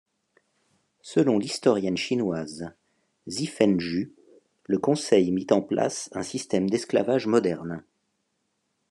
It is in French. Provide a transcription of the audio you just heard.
Selon l'historienne chinoise Zhifen Ju, le conseil mit en place un système d'esclavage moderne.